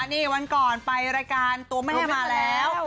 นี่วันก่อนไปรายการตัวแม่มาแล้ว